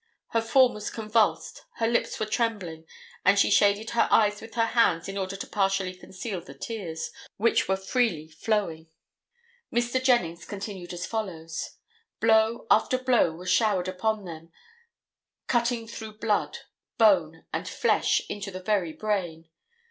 Her form was convulsed, her lips were trembling, and she shaded her eyes with her hands in order to partially conceal the tears, which were freely flowing. Mr. Jennings continued as follows: "Blow after blow was showered upon them, cutting through blood, bone and flesh into the very brain.